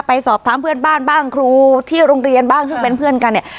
ไปสอบถามเพื่อนบ้านบ้างครูที่โรงเรียนบ้างซึ่งเป็นเพื่อนกันเนี่ย